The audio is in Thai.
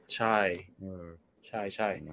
ใช่ใช่ใช่